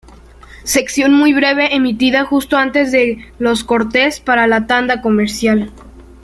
Sección muy breve emitida justo antes de los cortes para la tanda comercial.